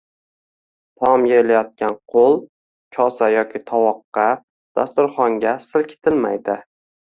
Taom yeyilayotgan qo‘l kosa yoki tovoqqa, dasturxonga silkitilmaydi.